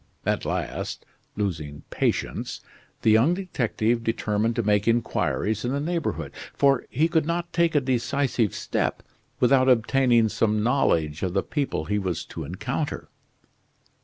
At last, losing patience, the young detective determined to make inquiries in the neighborhood, for he could not take a decisive step without obtaining some knowledge of the people he was to encounter.